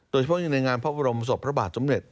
โดยเฉพาะอยู่ในงานพระบรมส่วนพระบาทสมเด็จ